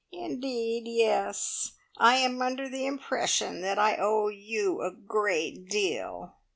"Indeed, yes. I am under the impression that I owe you a great deal.